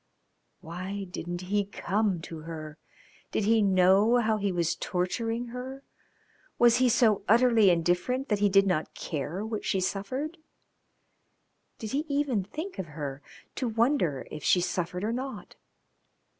Why didn't he come to her? Did he know how he was torturing her? Was he so utterly indifferent that he did not care what she suffered? Did he even think of her, to wonder if she suffered or not?